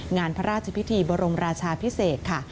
งานพระราชพิธีบรมราชาพิเศษค่ะ